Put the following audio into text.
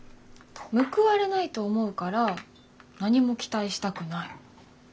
報われないと思うから何も期待したくない。